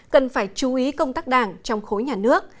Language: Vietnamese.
cần phải chú ý công tác đảng trong khối nhà nước